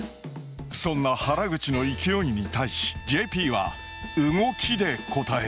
そんな原口の勢いに対しＪＰは動きで応える。